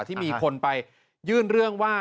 ที่มีคนไปยื่นเรื่องว่า